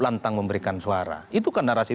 lantang memberikan suara itu kan narasi